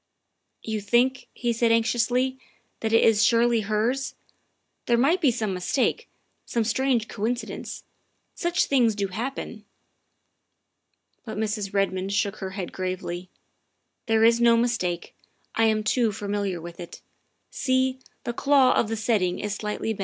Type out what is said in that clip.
" You think," he said anxiously, " that it is surely hers ? There might be some mistake, some strange coin cidence. Such things do happen." But Mrs. Redmond shook her head gravely. " There is no mistake, I am too familiar with it. See, 256 THE WIFE OF the claw of the setting is bent slightly.